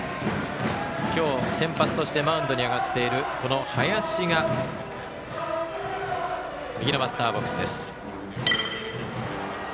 今日、先発としてマウンドに上がっているこの林が右のバッターボックス。